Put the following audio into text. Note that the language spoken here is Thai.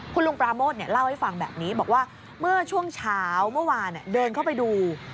คุณลุงปราโมทเล่าให้ฟังแบบนี้บอกว่าเมื่อช่วงเช้าเมื่อวานเดินเข้าไปดู